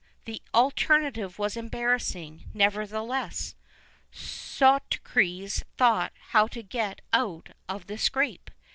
The alternative was embarrassing; nevertheless, Soterides thought how to get out of the scrape.